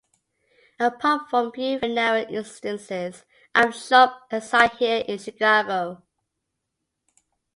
Apart from few very narrow instances; I am shoved aside here in Chicago.